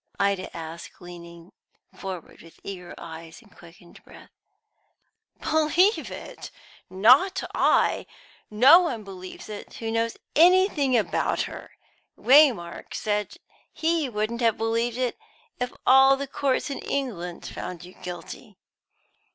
Ida asked, leaning forward with eager eyes and quickened breath. "Believe it! Not I! No one believes it who knows anything about her. Waymark said he wouldn't have believed it if all the courts in England found you guilty."